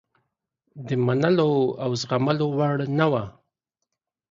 د منلو او زغملو وړ نه وه.